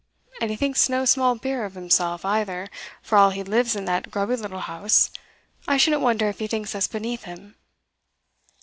And he thinks no small beer of himself, either, for all he lives in that grubby little house; I shouldn't wonder if he thinks us beneath him.